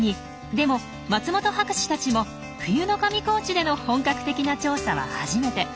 でも松本博士たちも冬の上高地での本格的な調査は初めて。